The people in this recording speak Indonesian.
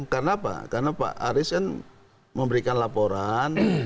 karena pak arief kan memberikan laporan